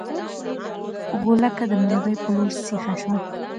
غولکه د مرغۍ په لور سیخه شوه.